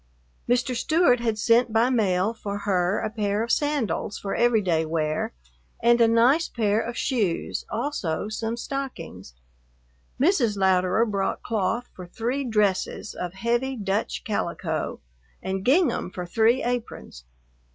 Mr. Stewart had sent by mail for her a pair of sandals for everyday wear and a nice pair of shoes, also some stockings. Mrs. Louderer brought cloth for three dresses of heavy Dutch calico, and gingham for three aprons.